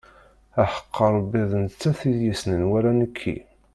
Aḥeqq Rebbi ar d nettat i yessnen wala nekki.